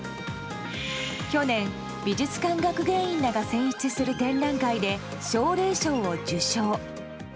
去年、美術館学芸員らが選出する展覧会で奨励賞を受賞。